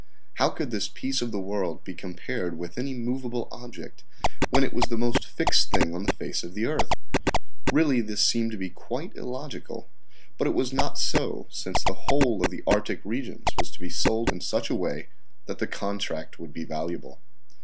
How could this piece of the world be compared with any movable object when it was the most fixed thing on the face of the earth? Really, this seemed to be quite illogical, but it was not so, since the whole of the Arctic regions was to be sold in such a way that the contract would be valuable.